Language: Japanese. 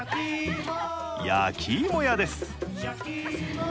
焼き芋屋です。